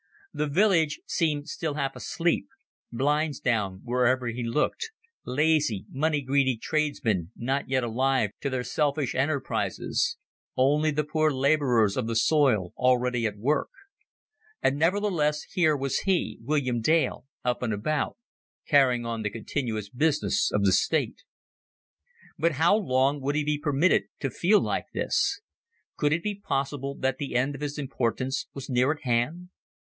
The village seemed still half asleep blinds down wherever he looked lazy, money greedy tradesmen not yet alive to their selfish enterprises only the poor laborers of the soil already at work; and nevertheless here was he, William Dale, up and about, carrying on the continuous business of the state. But how long would he be permitted to feel like this? Could it be possible that the end of his importance was near at hand?